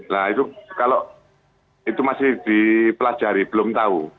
nah itu kalau itu masih dipelajari belum tahu